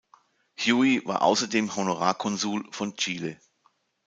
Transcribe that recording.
Haughey war außerdem Honorarkonsul von Chile.